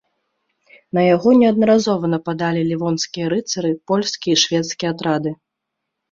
На яго неаднаразова нападалі лівонскія рыцары, польскія і шведскія атрады.